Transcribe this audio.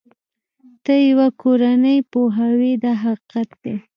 ته یوه کورنۍ پوهوې دا حقیقت دی.